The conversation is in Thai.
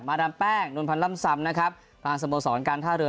ดามแป้งนวลพันธ์ล่ำซำนะครับประธานสโมสรการท่าเรือ